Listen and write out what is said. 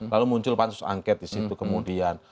lalu muncul pansus angket di situ kemudian